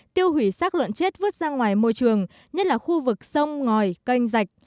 tiêu hủy sát lợn chết vứt ra ngoài môi trường nhất là khu vực sông ngòi canh rạch